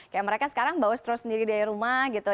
kayak mereka sekarang bawa stro sendiri dari rumah gitu